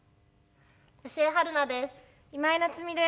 吉江晴菜です。